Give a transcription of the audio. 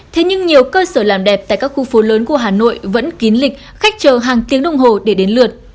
thế nhưng nhiều cơ sở làm đẹp tại các khu phố lớn của hà nội vẫn kín lịch khách chờ hàng tiếng đồng hồ để đến lượt